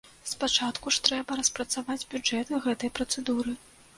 Спачатку ж трэба распрацаваць бюджэт гэтай працэдуры.